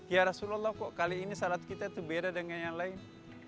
ya rasulullah kok kali ini salat kita itu beda dengan yang lain